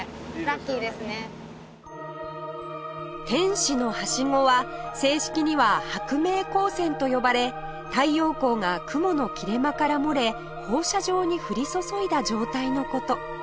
天使のはしごは正式には薄明光線と呼ばれ太陽光が雲の切れ間から漏れ放射状に降り注いだ状態の事